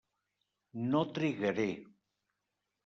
No trigaré.